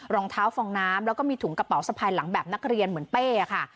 รองเท้าฟองน้ำแล้วก็มีถุงกระเป๋าสะพายหลังแบบนักเรียนเหมือนเป้ค่ะ